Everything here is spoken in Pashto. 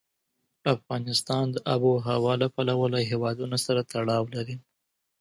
افغانستان د آب وهوا له پلوه له هېوادونو سره تړاو لري.